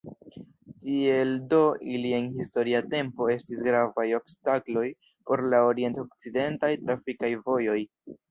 Tiel do ili en historia tempo estis gravaj obstakloj por la orient-okcidentaj trafikaj vojoj.